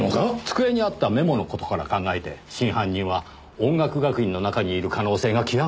机にあったメモの事から考えて真犯人は音楽学院の中にいる可能性が極めて高い。